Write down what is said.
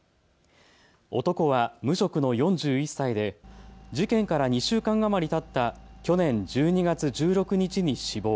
男は無職の４１歳で事件から２週間余りたった去年１２月１６日に死亡。